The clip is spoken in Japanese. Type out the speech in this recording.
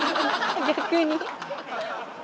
逆に？